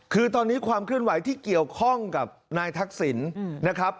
คือตอนนี้ความเคลื่อนไหวที่เกี่ยวข้องกับนายทักษิณนะครับ